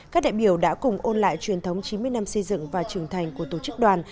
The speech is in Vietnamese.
các đại biểu đã cùng ôn lại truyền thống chín mươi năm xây dựng và trưởng thành của tổ chức đoàn